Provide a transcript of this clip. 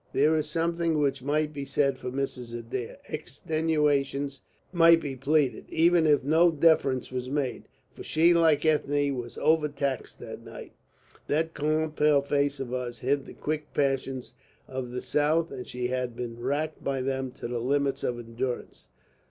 There is something which might be said for Mrs. Adair; extenuations might be pleaded, even if no defence was made. For she like Ethne was overtaxed that night. That calm pale face of hers hid the quick passions of the South, and she had been racked by them to the limits of endurance.